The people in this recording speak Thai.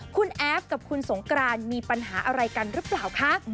คุณแอฟกับคุณสงกรานมีปัญหาอะไรกันหรือเปล่าคะ